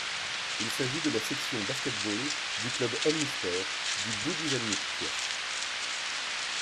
Il s'agit de la section basket-ball du club omnisports du Boudivelnyk Kiev.